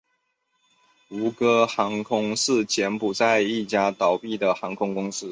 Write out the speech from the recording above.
吴哥航空是柬埔寨一家倒闭的航空公司。